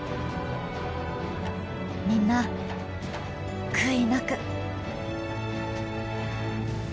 みんな悔いなく！